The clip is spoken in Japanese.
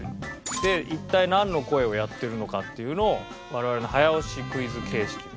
で一体なんの声をやってるのかっていうのを我々早押しクイズ形式で。